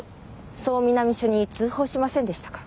そう南署に通報しませんでしたか？